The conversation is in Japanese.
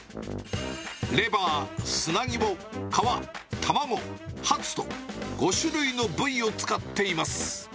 レバー、砂肝、皮、たまご、ハツと、５種類の部位を使っています。